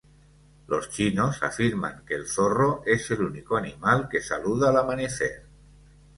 Los chinos afirman que el zorro es el único animal que saluda al amanecer.